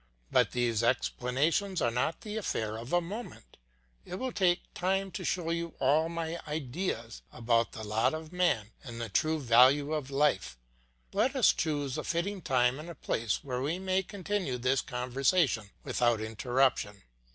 But these explanations are not the affair of a moment, it will take time to show you all my ideas about the lot of man and the true value of life; let us choose a fitting time and a place where we may continue this conversation without interruption."